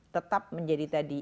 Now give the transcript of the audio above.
tetap menjadi tadi